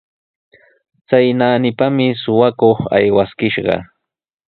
Chay naanipami suqakuq aywaskishqa.